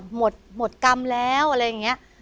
หมดหมดกรรมแล้วอะไรอย่างนี้